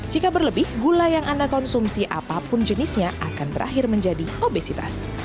jika berlebih gula yang anda konsumsi apapun jenisnya akan berakhir menjadi obesitas